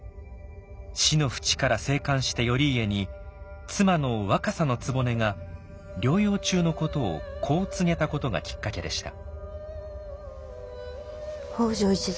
死の淵から生還した頼家に妻の若狭局が療養中のことをこう告げたことがきっかけでした。